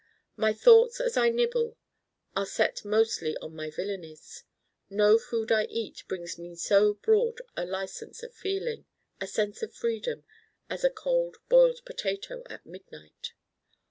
My thoughts as I nibble are set mostly on my villainies. No food I eat brings me so broad a license of feeling a sense of freedom as a Cold Boiled Potato at midnight.